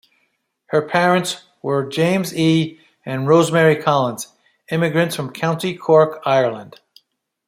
Her parents were James E. and Rose Marie Collins, immigrants from County Cork, Ireland.